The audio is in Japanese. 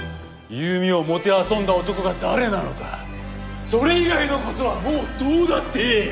優美をもてあそんだ男が誰なのかそれ以外の事はもうどうだっていい！